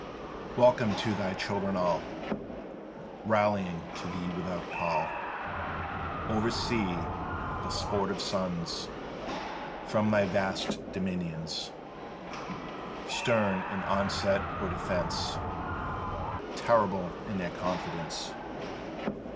Welcome to thy children all Rallying to thee without call Oversea, the sportive sons From thy vast dominions! Stern in onset or defence, Terrible in their confidence.